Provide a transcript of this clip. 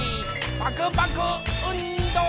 パクパクうんど！